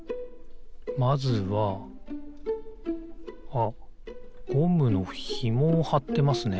あっゴムのひもをはってますね。